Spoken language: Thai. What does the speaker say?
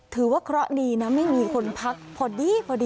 ถือว่าเคราะห์ดีนะไม่มีคนพักพอดีพอดี